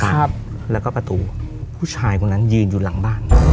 ครับแล้วก็ประตูผู้ชายคนนั้นยืนอยู่หลังบ้าน